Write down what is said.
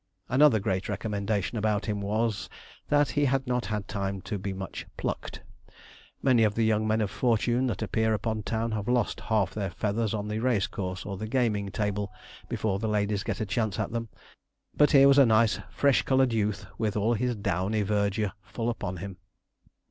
Another great recommendation about him was, that he had not had time to be much plucked. Many of the young men of fortune that appear upon town have lost half their feathers on the race course or the gaming table before the ladies get a chance at them; but here was a nice, fresh coloured youth, with all his downy verdure full upon him.